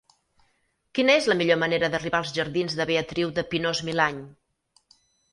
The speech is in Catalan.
Quina és la millor manera d'arribar als jardins de Beatriu de Pinós-Milany?